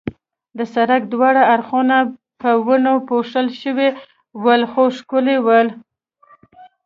د سړک دواړه اړخونه په ونو پوښل شوي ول، چې ښکلي ول.